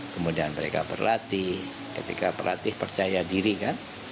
kemudian mereka berlatih ketika pelatih percaya diri kan